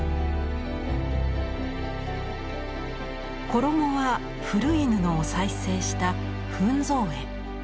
衣は古い布を再生した糞掃衣。